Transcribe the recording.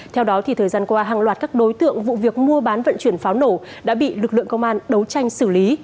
theo đó thời gian qua hàng loạt các đối tượng vụ việc mua bán vận chuyển pháo nổ đã bị lực lượng công an đấu tranh xử lý